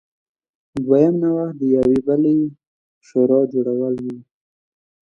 دویم نوښت د یوې بلې شورا جوړول و.